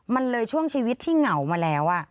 มันเลยช่วงชีวิตที่เหงามาแล้ว